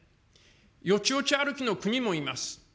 よちよち歩きの国もいます。